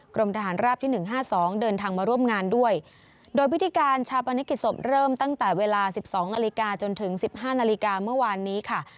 กรมทหารราบที่หนึ่งห้าสองเดินทางมาร่วมงานด้วยโดยพิธีการชาปนกิจศพเริ่มตั้งแต่เวลาสิบสองนาฬิกาจนถึงสิบห้านาฬิกาเมื่อวานนี้ค่ะ